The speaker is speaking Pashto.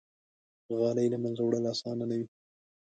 غالۍ له منځه وړل آسانه نه وي.